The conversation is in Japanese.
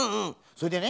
それでね